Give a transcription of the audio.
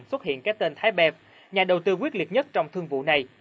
xuất hiện cái tên thái đẹp nhà đầu tư quyết liệt nhất trong thương vụ này